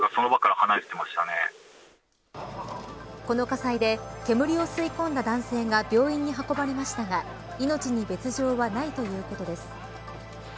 この火災で煙を吸い込んだ男性が病院に運ばれましたが命に別条はないということです。